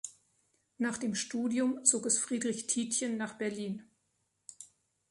Nach dem Studium zog es Friedrich Tietjen nach Berlin.